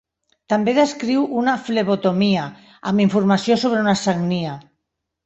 També descriu una flebotomia, amb informació sobre una sagnia.